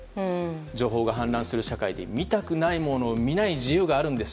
情報が氾濫する社会で見たくないものを見ない自由があるんです。